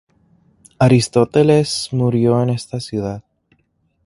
Aristóteles murió en esta ciudad.